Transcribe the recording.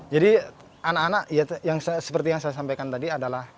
jadi anak anak seperti yang saya sampaikan tadi adalah